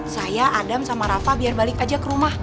saya adam sama rafa biar balik aja ke rumah